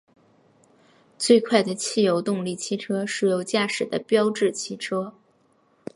最快的汽油动力汽车是由驾驶的标致汽车。